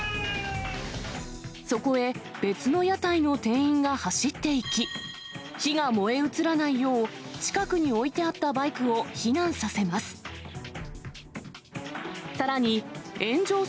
そこへ、別の屋台の店員が走っていき、火が燃え移らないよう、近くに置いてあったバイクを避難させます。